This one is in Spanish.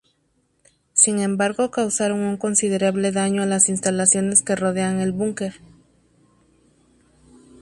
Sin embargo causaron un considerable daño a las instalaciones que rodean el búnker.